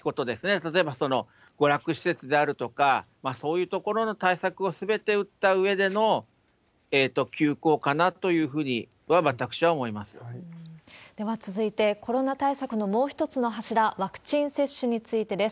例えば娯楽施設であるとか、そういう所の対策をすべて打ったうえでの休校かなというふうには、では続いて、コロナ対策のもう一つの柱、ワクチン接種についてです。